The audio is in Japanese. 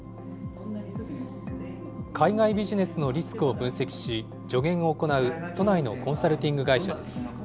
海外ビジネスのリスクを分析し、助言を行う都内のコンサルティング会社です。